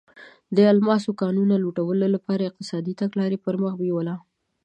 د الماسو کانونو لوټلو لپاره یې اقتصادي تګلاره پر مخ بیوله.